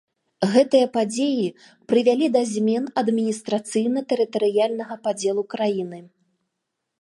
Гэтыя падзеі прывялі да змен адміністрацыйна-тэрытарыяльнага падзелу краіны.